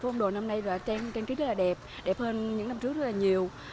phố âu đồ năm nay trang trí rất là đẹp đẹp hơn những năm trước rất là nhiều